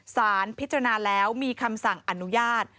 สารพิจารณาแล้วมีคำสั่งอนุญาต